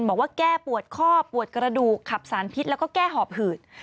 บอกว่าแก้ปวดข้อปวดกระดูกขับสารพิษแล้วก็แก้หอบหืด